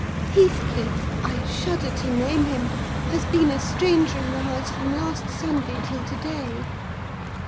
"Heathcliff—I shudder to name him! has been a stranger in the house from last Sunday till to day.